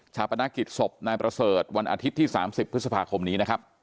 ปนักกิจศพนายประเสริฐวันอาทิตย์ที่๓๐พฤษภาคมนี้นะครับ